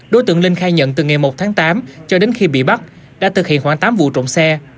đối tượng linh khai nhận từ ngày một tháng tám cho đến khi bị bắt đã thực hiện khoảng tám vụ trộm xe